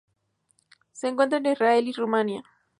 Se encuentra en Israel y Rumania.